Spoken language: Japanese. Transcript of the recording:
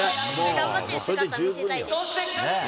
頑張ってる姿、見せたいです。